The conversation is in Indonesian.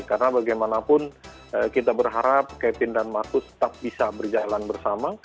karena bagaimanapun kita berharap kevin dan marcus tetap bisa berjalan bersama